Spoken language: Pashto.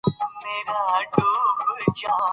لمریز ځواک د افغانستان د ولایاتو په کچه توپیر لري.